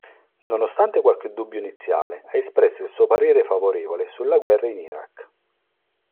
Nonostante qualche dubbio iniziale, ha espresso il suo parere favorevole sulla guerra in Iraq.